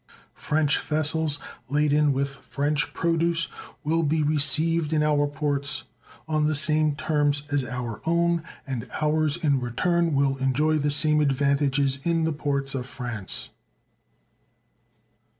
French vessels laden with French produce will be received in our ports on the same terms as our own, and ours in return will enjoy the same advantages in the ports of France.